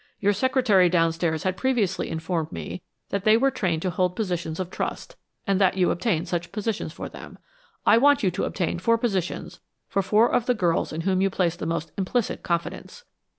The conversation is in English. Your secretary downstairs had previously informed me that they were trained to hold positions of trust, and that you obtained such positions for them. I want you to obtain four positions for four of the girls in whom you place the most implicit confidence."